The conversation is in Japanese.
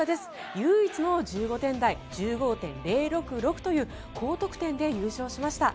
唯一の１５点台１５．０６６という高得点で優勝しました。